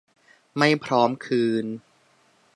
ไม่พร้อมคืน